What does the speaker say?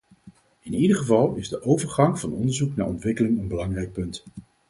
In ieder geval is de overgang van onderzoek naar ontwikkeling een belangrijk punt.